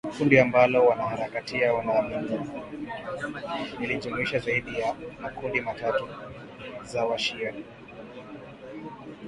kundi ambalo wanaharakati wanaamini lilijumuisha zaidi ya makundi ma tatu za washia